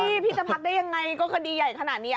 พี่พี่จะพักได้ยังไงก็คดีใหญ่ขนาดนี้